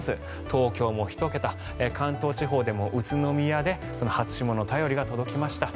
東京も１桁関東地方でも宇都宮で初霜の便りが届きました。